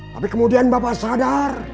tapi kemudian bapak sadar